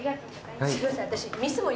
すいません私。